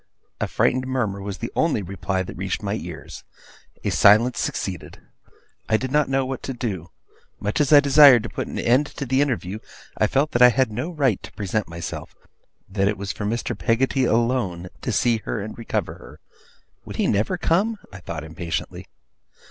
A frightened murmur was the only reply that reached my ears. A silence succeeded. I did not know what to do. Much as I desired to put an end to the interview, I felt that I had no right to present myself; that it was for Mr. Peggotty alone to see her and recover her. Would he never come? I thought impatiently.